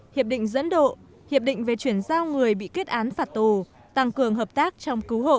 hiệp định dẫn độ hiệp định về chuyển giao người bị kết án phạt tù tăng cường hợp tác trong cứu hộ